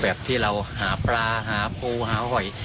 แบบที่เราหาปลาหาปูหาหอย